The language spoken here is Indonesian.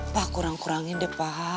pa kurang kurangin deh pa